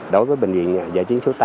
đối với bệnh viện giải trí số tám